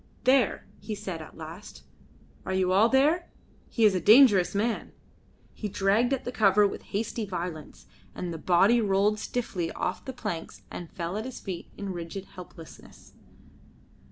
"There!" he said at last. "Are you all there? He is a dangerous man." He dragged at the cover with hasty violence, and the body rolled stiffly off the planks and fell at his feet in rigid helplessness.